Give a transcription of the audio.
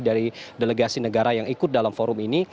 dari delegasi negara yang ikut dalam forum ini